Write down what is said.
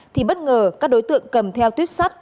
thì bất ngờ các đối tượng cầm theo tuyết sắt